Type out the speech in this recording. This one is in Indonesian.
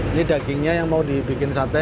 ini dagingnya yang mau dibikin sate